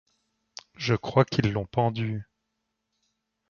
Je crois qu’ils l’ont pendue.